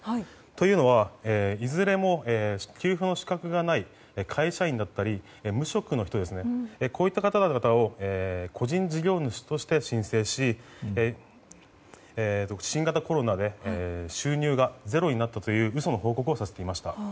というのは、いずれも給付の資格がない会社員だったり、無職の人などこういった方々を個人事業主として申請し新型コロナで収入がゼロになったという嘘の報告をさせていました。